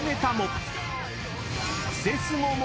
［クセスゴも］